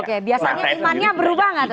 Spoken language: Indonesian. oke biasanya imannya berubah gak tuh